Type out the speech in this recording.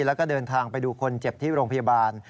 แล้วก็เดินทางไปดูคนเจ็บที่โรงพยาบาล